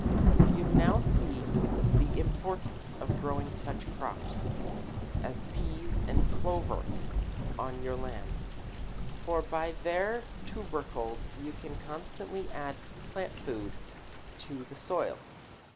You now see the importance of growing such crops as peas and clover on your land, for by their tubercles you can constantly add plant food to the soil.